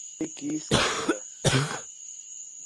ایک ہی سکرپٹ ہے۔